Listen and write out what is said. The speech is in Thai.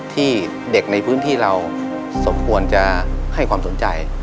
ที่เด็กในพื้นที่เราสมควรจะให้ความสนใจ